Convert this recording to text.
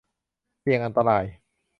เสี่ยงอันตราย